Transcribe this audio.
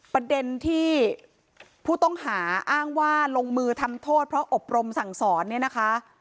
ประเด็นที่ผู้ต้องหาอ้างว่าลงมือทำโทษเพราะอบรมสั่งสอนเนี่ยนะคะ